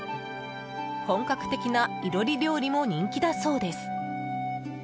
本格的な囲炉裏料理も人気だそうです。